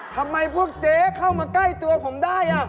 ทำไมพวกเจ๊เข้ามาใกล้ตัวผมได้